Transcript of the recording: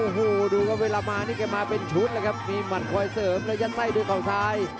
โอ้โหดูกับเวลามานี่กันมาเป็นชุดแล้วครับมีหมันคอยเสริมแล้วจะไล่ด้วยข้างซ้าย